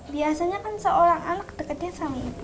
biasanya kan seorang anak dekatnya sama ibu